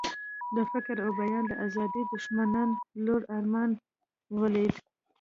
د فکر او بیان د آزادۍ دښمنانو یې لوړ ارمان ولید.